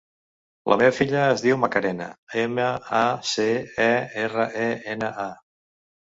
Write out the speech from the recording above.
La meva filla es diu Macarena: ema, a, ce, a, erra, e, ena, a.